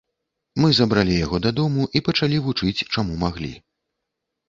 Мы забралі яго дадому і пачалі вучыць, чаму маглі.